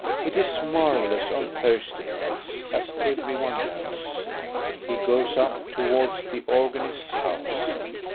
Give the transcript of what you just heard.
It is marvellous on Thursday nights, as every one knows. He goes up towards the organist's house.